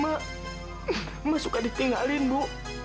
ibu suka ditinggalin ibu